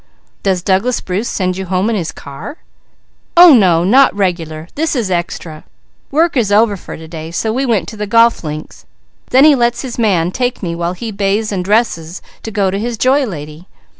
"Does Douglas Bruce send you home in his car?" "Oh no, not regular! This is extra! Work is over for to day so we went to the golf links; then he lets his man take me while he bathes and dresses to go to his Joy Lady.